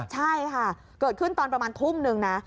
ใช่ค่ะเกิดขึ้นตอนประมาณทุ่มนึงนะ